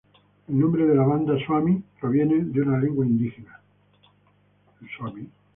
El nombre de la banda Swami, proviene de una lengua indígena.